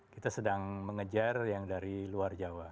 kita sedang mengejar yang dari luar jawa